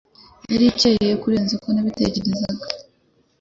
yari nkeya kurenza uko nabitekerezaga